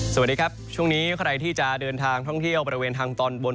สวัสดีครับช่วงนี้ใครที่จะเดินทางท่องเที่ยวบริเวณทางตอนบน